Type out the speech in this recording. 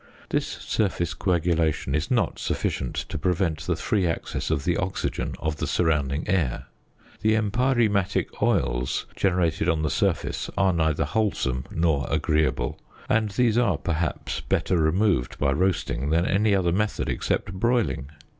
This surface coagulation is not sufficient to prevent the free access of the oxygen of the surrounding air. The empyreumatic oils generated on the surface are neither wholesome nor agreeable, and these are perhaps better removed by roasting than any other method except broiling.